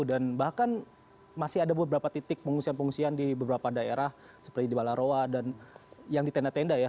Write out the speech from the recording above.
dan bahkan masih ada beberapa titik pengungsian pengungsian di beberapa daerah seperti di balarowa dan yang di tenda tenda ya